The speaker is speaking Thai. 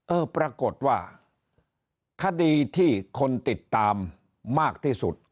เออปรากฏว่าคดีที่คนติดตามมากที่สุด